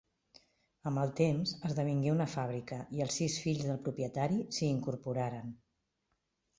Amb el temps, esdevingué una fàbrica i els sis fills del propietari s'hi incorporaren.